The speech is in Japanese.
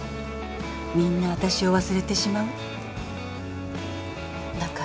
みんな私を忘れてしまうって。